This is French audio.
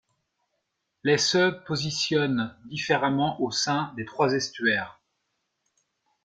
Les se positionnent différemment au sein des trois estuaires.